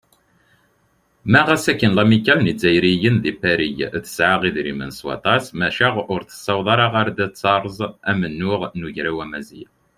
Ma ɣas akken lamikkal n yizzayriyen di Pari tesɛa idrimen s waṭas, maca ur tessaweḍ ara ad teṛṛez amennuɣ n Ugraw Amaziɣ.